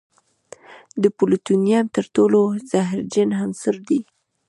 د پلوتونیم تر ټولو زهرجن عنصر دی.